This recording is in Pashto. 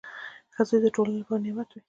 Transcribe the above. • ښه زوی د ټولنې لپاره نعمت وي.